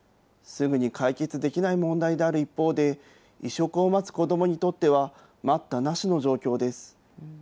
すぐに解決できない問題である一方で、移植を待つ子どもにとっては、待ったなしの状況です。